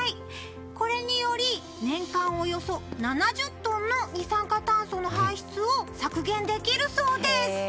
これにより年間およそ７０トンの二酸化炭素の排出を削減できるそうです。